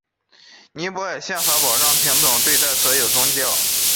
尼泊尔宪法保障平等对待所有宗教。